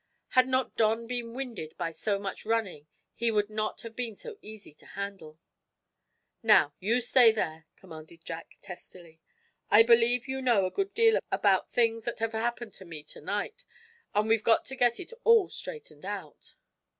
Had not Don been winded by so much running he would not have been so easy to handle. "Now, you stay there," commanded Jack, testily. "I believe you know a good deal about things that have happened to me to night, and we've got to get it all straightened out."